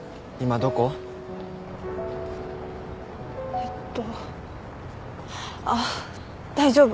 えっとあっ大丈夫。